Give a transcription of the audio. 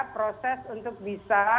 proses untuk bisa